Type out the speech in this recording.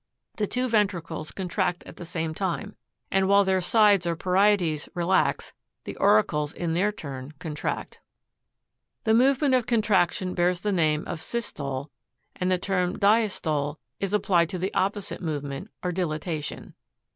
45. The two ventricles contract at the same time, and while their sides or parietes relax, the auricles in their turn contract. 4G. The movement of contraction bears the name of systole, and the term diastole is applied to the opposite movement, or dilatation.